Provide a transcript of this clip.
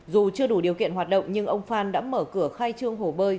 dù chưa đủ điều kiện hoạt động nhưng ông phan đã mở cửa khai trương hồ bơi